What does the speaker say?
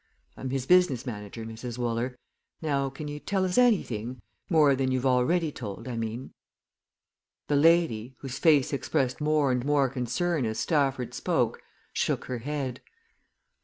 I'm his business manager, Mrs. Wooler. Now can you tell us anything more than you've already told, I mean?" The landlady, whose face expressed more and more concern as Stafford spoke, shook her head.